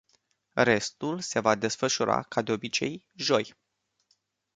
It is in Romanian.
Restul se va desfășura ca de obicei joi.